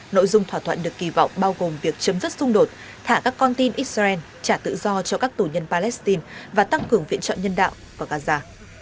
nội dung thỏa thuận được kỳ vọng bao gồm việc chấm dứt xung đột thả các con tin israel trả tự do cho các tù nhân palestine và tăng cường viện chọn nhân đạo vào gaza